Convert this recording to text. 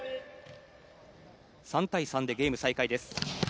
３対３でゲーム再開です。